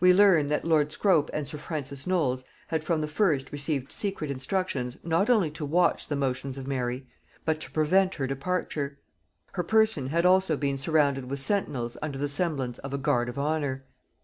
We learn that lord Scrope and sir Francis Knolles had from the first received secret instructions not only to watch the motions of Mary, but to prevent her departure; her person had also been surrounded with sentinels under the semblance of a guard of honor.